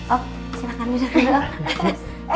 oh silahkan duduk dulu